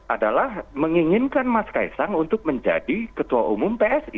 adalah menginginkan mas kaisang untuk menjadi ketua umum psi